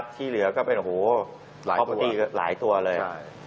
ที่เหลือก็เป็นพอประตูหลายตัวเลย